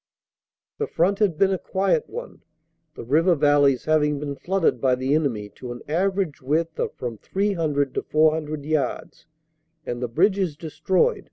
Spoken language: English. "The front had been a quiet one, the river valleys having been flooded by the enemy to an average width of from 300 to 400 yards, and the bridges destroyed.